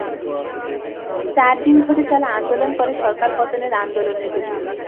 চার দিন ধরে চলা আন্দোলন পরে সরকার পতনের আন্দোলনের রূপ নেয়।